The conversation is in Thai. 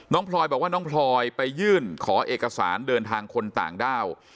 พลอยบอกว่าน้องพลอยไปยื่นขอเอกสารเดินทางคนต่างด้าว